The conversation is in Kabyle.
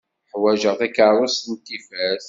Ḥwaǧeɣ takeṛust n tifert.